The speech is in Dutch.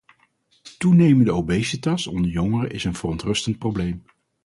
Toenemende obesitas onder jongeren is een verontrustend probleem.